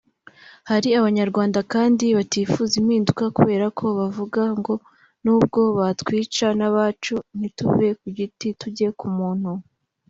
Hari abanyarwanda kandi batifuza impinduka kuberako bavuga ngo nubwo batwica nabacu (nituve kugiti tujye kumuntu)